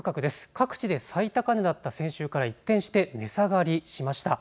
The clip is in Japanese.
各地で最高値だった先週から一転して値下がりしました。